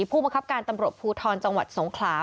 ผู้บังคับการตำรวจภูทรจังหวัดสงขลา